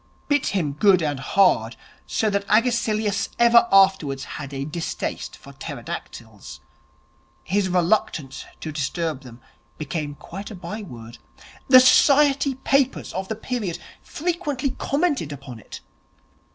Bit him good and hard, so that Agesilaus ever afterwards had a distaste for pterodactyls. His reluctance to disturb them became quite a byword. The Society papers of the period frequently commented upon it.